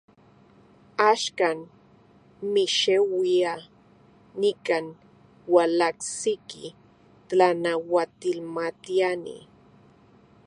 Axkan, mixeuia, nikan ualajsiki tlanauatilmatiani.